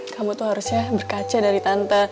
kamu tuh harusnya berkaca dari tante